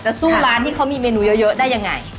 สู้ร้านที่เขามีเมนูเยอะได้ยังไง